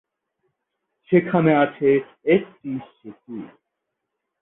সেখানে আছে একটি সেতু।